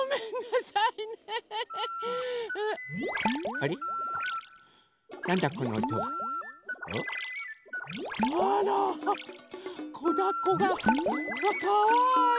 あらこだこがかわいい！